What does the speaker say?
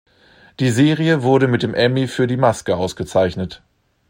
Die Serie wurde mit dem Emmy für die Maske ausgezeichnet.